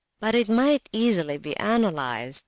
But it might easily be analysed.